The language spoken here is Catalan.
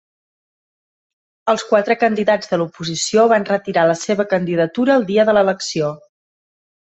Els quatre candidats de l'oposició van retirar la seva candidatura al dia de l'elecció.